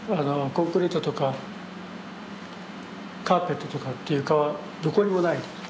コンクリートとかカーペットとかっていう床はどこにもない。